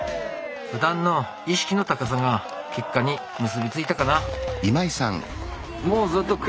ふだんの意識の高さが結果に結び付いたかな。